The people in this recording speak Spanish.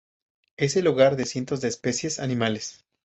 Es el hogar de cientos de especies animales.